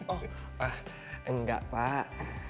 oh ah enggak pak